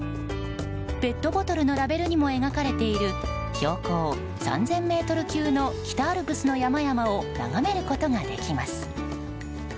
ペットボトルのラベルにも描かれている標高３０００ｍ級の北アルプスの山々を眺めることができます。